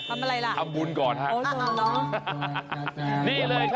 ดุขาวทุกเมื่อ